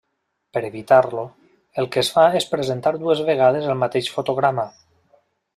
Per evitar-lo, el que es fa és presentar dues vegades el mateix fotograma.